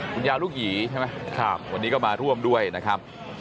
คุณยายลูกหยีใช่ไหมวันนี้ก็มาร่วมด้วยนะครับ